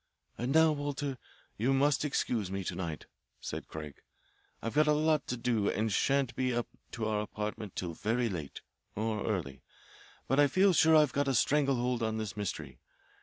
"And now, Walter, you too must excuse me to night," said Craig. "I've got a lot to do, and sha'n't be up to our apartment till very late or early. But I feel sure I've got a strangle hold on this mystery.